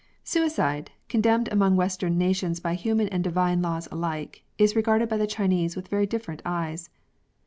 Suicide, condemned among western nations by human and divine laws alike, js regarded by the Chinese with very different eyes.